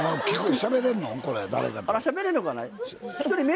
しゃべれんのかな？